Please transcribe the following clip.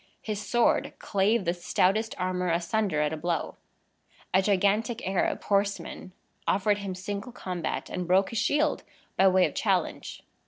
His sword clave the stoutest armor asunder at a blow. A gigantic Arab horseman offered him single combat, and broke his shield by way of challenge.